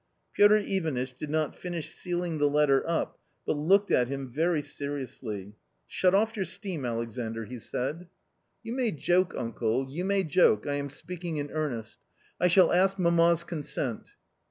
Piotr Ivanitch did not finish sealing the letter up but looked at him very seriously. " Shut off your steam, Alexandr !" he said. A A COMMON STORY 75 " You may joke, uncle, you may joke, I am speaking in earnest. I shall ask mamma's consent."